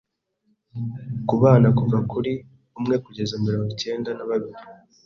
Ku bana kuva kuri umwe kugeza mirongo cyenda na kabiri